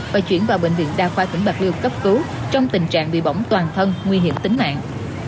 và chuyển vào bệnh viện đa khoa tỉnh bạc liêu cấp cứu trong tình trạng bị bỏng toàn thân nguy hiểm tính mạng